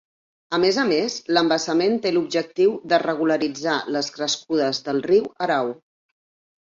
A més a més, l'embassament té l'objectiu de regularitzar les crescudes del riu Erau.